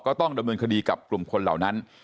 ก็ต้องดำเนินคดีกับกลุ่มคนเหล่านั้น